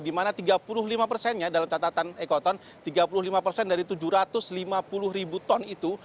di mana tiga puluh lima persennya dalam catatan ekoton tiga puluh lima persen dari tujuh ratus lima puluh ribu ton itu